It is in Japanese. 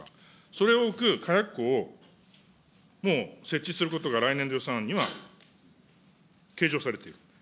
それを置く火薬庫をもう設置することが来年度予算案には計上されている。